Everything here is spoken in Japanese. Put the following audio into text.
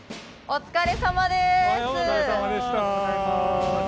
お疲れさまでした。